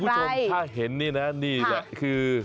คุณผู้ชมถ้าเห็นนี่นะนี่แหละคือ